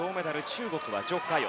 中国はジョ・カヨ。